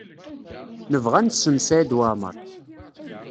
Nebɣa ad nessen Saɛid Waɛmaṛ.